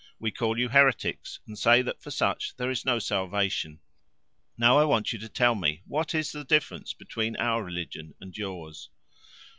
We call you heretics and say that for such there is no salvation. Now I want you to tell me what is the difference between our religion and yours."